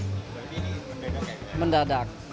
berapa ini mendadak kayaknya